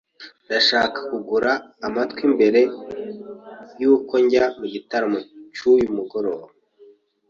Ndashaka kugura amatwi mbere yuko njya mu gitaramo cy'uyu mugoroba.